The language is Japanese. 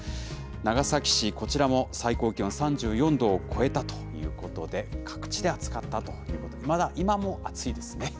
長崎市、こちらも最高気温３４度を超えたということで、各地で暑かったということで、まだ今も暑いですね。